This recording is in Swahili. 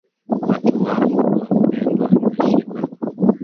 Watu wangu wapendwa mmeshiba?